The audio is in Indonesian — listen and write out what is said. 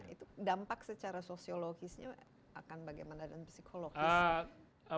itu dampak secara sosiologisnya akan bagaimana dan psikologis